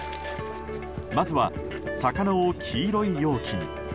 まずは魚を黄色い容器に。